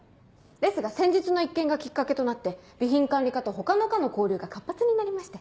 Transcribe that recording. ですが先日の一件がきっかけとなって備品管理課と他の課の交流が活発になりまして。